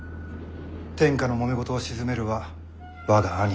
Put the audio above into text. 天下のもめ事を鎮めるは我が兄の務め。